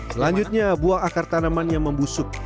selanjutnya buah akar tanaman yang membusuk